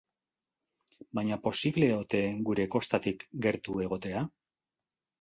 Baina posible ote gure kostatik gertu egotea?